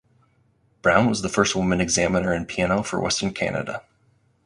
Brown was the first woman examiner in piano for Western Canada.